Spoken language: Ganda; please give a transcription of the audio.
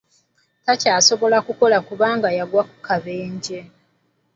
Takyasobola kukola kubanga yagwa ku kabenje.